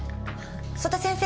曽田先生